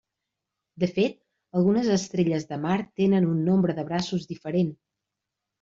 De fet, algunes estrelles de mar tenen un nombre de braços diferent.